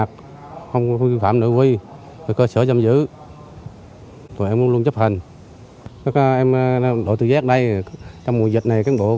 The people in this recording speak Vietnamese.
cùng với các đối tượng tạm giam